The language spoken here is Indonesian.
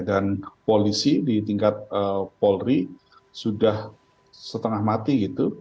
dan polisi di tingkat polri sudah setengah mati gitu